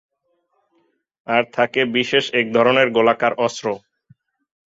আর থাকে বিশেষ এক ধরনের গোলাকার অস্ত্র।